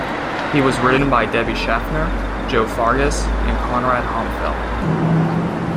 He was ridden by Debbie Shaffner, Joe Fargis and Conrad Homfeld.